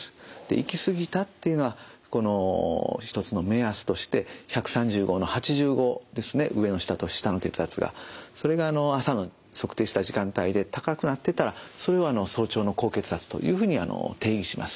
行き過ぎたっていうのはこの一つの目安としてそれが朝の測定した時間帯で高くなってたらそれは早朝の高血圧というふうに定義します。